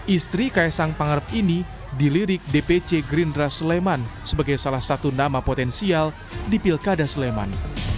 istri kaisang pangarep ini dilirik dpc gerindra sleman sebagai salah satu nama potensial di pilkada sleman